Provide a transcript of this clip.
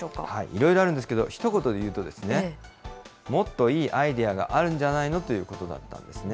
いろいろあるんですけど、ひと言で言うと、もっといいアイデアがあるんじゃないの？ということだったんですね。